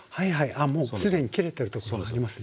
あっもう既に切れてる所もありますね。